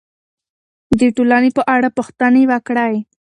د ټولنې په اړه پوښتنې وکړئ.